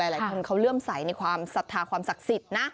หลายคนเขาเลื่อมใสในความศรัทธาความศักดิ์สิทธิ์นะ